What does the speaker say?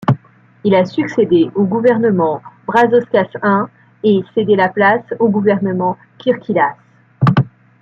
Il a succédé au gouvernement Brazauskas I et cédé la place au gouvernement Kirkilas.